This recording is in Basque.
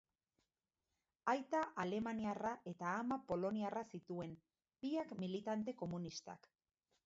Aita alemaniarra eta ama poloniarra zituen, biak militante komunistak.